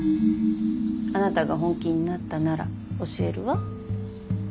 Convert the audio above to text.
あなたが本気になったなら教えるわ。